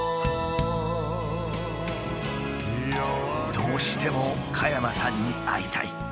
「どうしても加山さんに会いたい」。